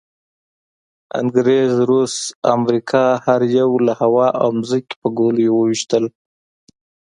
انګریز، روس، امریکې هر یوه له هوا او ځمکې په ګولیو وویشتلو.